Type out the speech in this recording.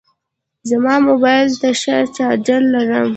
زما موبایل ته ښه چارجر لرم.